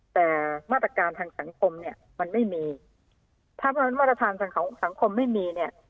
แต่มาตรการทางสังคมเนี่ยมันไม่มีถ้าเพราะฉะนั้นมาตรฐานทางของสังคมไม่มีเนี่ย